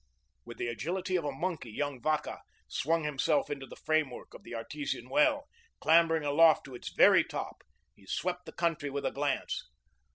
With the agility of a monkey, young Vacca swung himself into the framework of the artesian well, clambering aloft to its very top. He swept the country with a glance.